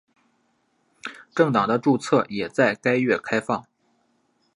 政党的注册也在该月开放。